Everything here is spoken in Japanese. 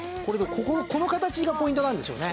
ここのこの形がポイントなんでしょうね。